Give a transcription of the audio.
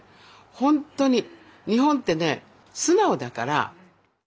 ほんとに日本ってね素直だから。